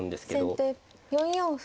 先手４四歩。